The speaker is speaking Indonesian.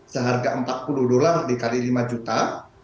seharga empat puluh dolar dikali lima juta